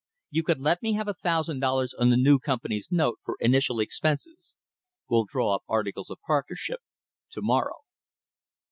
You can let me have a thousand dollars on the new Company's note for initial expenses. We'll draw up articles of partnership to morrow."